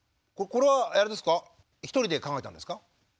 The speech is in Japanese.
これはあれですか一人で考えたんですか？